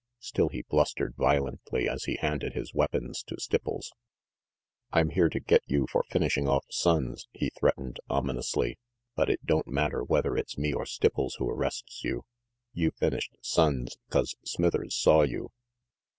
Still he blustered violently as he handed his weapons to Stipples. 394 RANGY PETE "I'm here to get you for finishing off Sonnes," he threatened ominously, "but it don't matter whether it's me or Stipples who arrests you. You finished Sonnes, 'cause Smithers saw you."